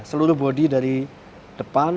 seluruh bodi dari depan